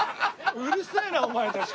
うるせえなお前たち